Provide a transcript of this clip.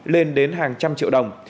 lên đến hàng trăm triệu đồng